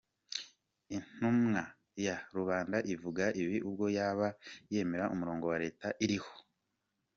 Intumwa ya rubanda ivuga ibi ubwo yaba yemera umurongo wa Leta iriho ?